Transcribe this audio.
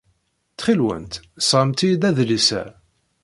Ttxil-went, sɣemt-iyi-d adlis-a.